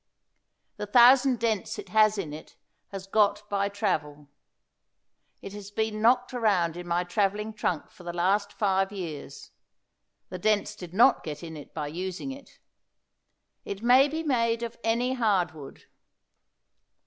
The thousand dents it has in it it has got by travel; it has been knocked around in my traveling trunk for the last five years. The dents did not get in it by using it. It may be made of any hard wood.